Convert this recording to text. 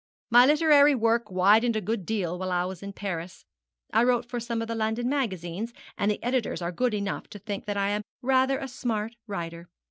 My literary work widened a good deal while I was in Paris. I wrote for some of the London magazines, and the editors are good enough to think that I am rather a smart writer.